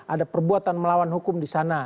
ada perbuatan melawan hukum di sana